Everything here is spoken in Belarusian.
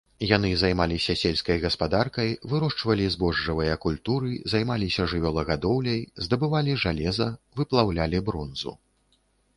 Яны займаліся сельскай гаспадаркай, вырошчвалі збожжавыя культуры, займаліся жывёлагадоўляй, здабывалі жалеза, выплаўлялі бронзу.